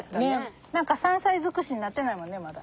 何か山菜尽くしになってないもんねまだ。